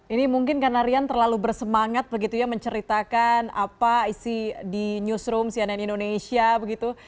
ini mungkin karena rian terlalu bersemangat begitu ya menceritakan apa isi di newsroom cnn indonesia begitu